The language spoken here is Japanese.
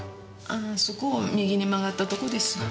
ああそこを右に曲ったとこです。